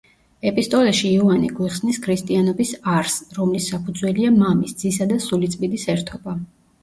ეპისტოლეში იოანე გვიხსნის ქრისტიანობის არსს, რომლის საფუძველია მამის, ძისა და სულიწმიდის ერთობა.